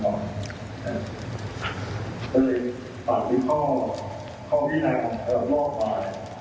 เพราะฉะนั้นฝากด้วยข้อข้อวินัยข้อรับรอบบาย